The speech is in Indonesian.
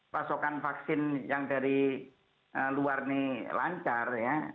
pasokan vaksin yang dari luar ini lancar ya